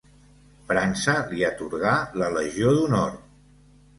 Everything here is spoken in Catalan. França li atorgà la Legió d'Honor.